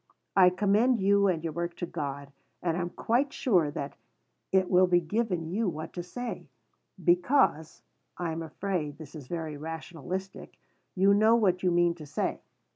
I commend you and your work to God, and am quite sure that 'it will be given you what to say,' because (I am afraid this is very rationalistic) you know what you mean to say."